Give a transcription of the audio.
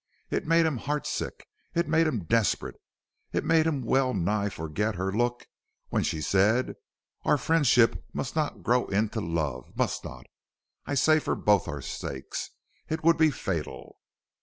It made him heart sick; it made him desperate; it made him wellnigh forget her look when she said: "Our friendship must not grow into love, must not, I say, for both our sakes. It would be fatal."